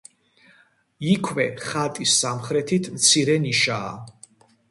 იქვე ხატის სამხრეთით მცირე ნიშაა.